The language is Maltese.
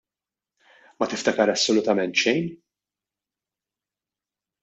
Ma tiftakar assolutament xejn?